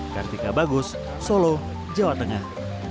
kartika bagus solo jawa tengah